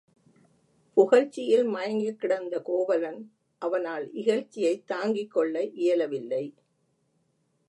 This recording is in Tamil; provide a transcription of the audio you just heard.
புகழ்ச்சியில் மயங்கிக் கிடந்த கோவலன் அவனால் இகழ்ச்சியைத் தாங்கிக் கொள்ள இயலவில்லை.